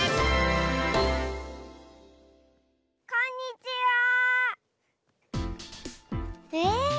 こんにちは！え？